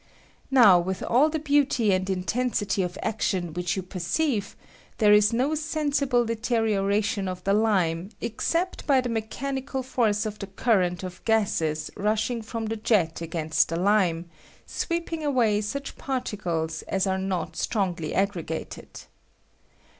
Now, with all the beauty and intensity of ac tion which you perceive, there is no sensible deterioration of the lime except by the mechan ical force of the current of gases rushing from the jet against the lime, sweeping away such particles as are not strongly aggregated.